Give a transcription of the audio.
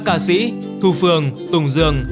ca sĩ thu phương tùng dương